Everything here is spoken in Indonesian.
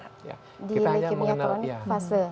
kita hanya mengenal fase